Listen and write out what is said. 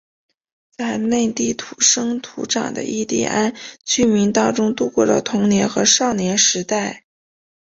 在内地土生土长的印第安居民当中度过了童年和少年时代。